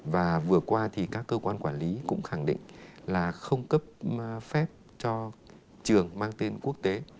và vừa qua thì các cơ quan quản lý cũng khẳng định là không cấp phép cho trường mang tên quốc tế